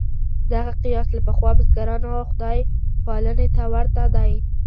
دغه قیاس له پخوا بزګرانو خدای پالنې ته ورته دی.